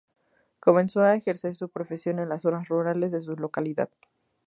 Comenzó a ejercer su profesión en las zonas rurales de su localidad.